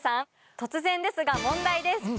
突然ですが問題です。